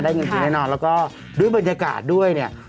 ได้เงินคืนแน่นอนแล้วก็ด้วยบรรยากาศด้วย